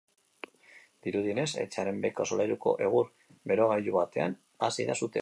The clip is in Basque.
Dirudienez, etxearen beheko solairuko egur-berogailu batean hasi da sutea.